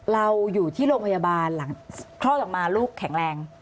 เราอยู่ที่โรงพยาบาลหลังคลอดออกมาลูกแข็งแรง